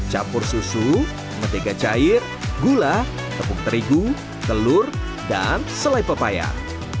campur susu mentega cair gula tepung terigu telur dan selai pepaya